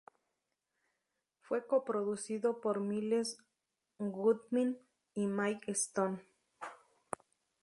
Fue co-producido por Myles Goodwyn y Mike Stone.